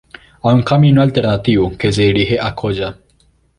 Hay un camino alternativo que se dirige a Coya.